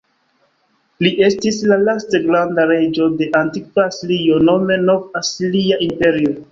Li estis la laste granda reĝo de antikva Asirio, nome Nov-Asiria Imperio.